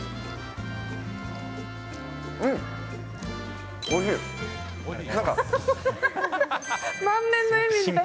うん、おいひい。